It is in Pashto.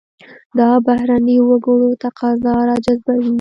دا بهرنیو وګړو تقاضا راجذبوي.